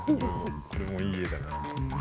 これもいい画だな。